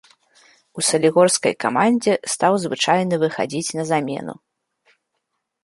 У салігорскай камандзе стаў звычайна выхадзіць на замену.